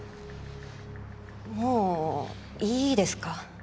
もういいですか？